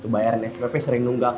bayaran spp sering nunggak